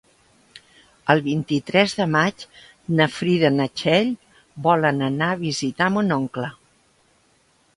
El vint-i-tres de maig na Frida i na Txell volen anar a visitar mon oncle.